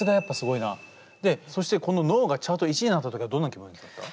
そしてこの「ＮＯ」がチャート１位になった時はどんな気持ちだった？